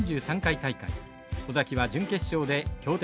尾崎は準決勝で強敵